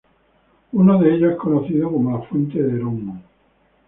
Uno de ellos es conocido como la Fuente de Herón.